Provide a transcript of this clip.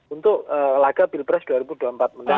untuk laga pilpres dua ribu dua puluh empat mendatang